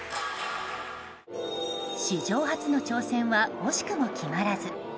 史上初の挑戦は惜しくも決まらず。